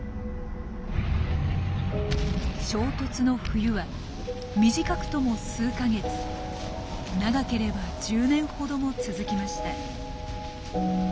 衝突の冬は短くとも数か月長ければ１０年ほども続きました。